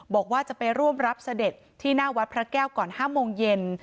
บอกว่าจะไปร่วมรับเสด็จที่หน้าวัดพระแก้วก่อน๕โมงเย็น